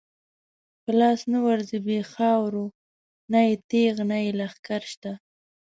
په لاس نه ورځی بی خاورو، نه یې تیغ نه یی لښکر شته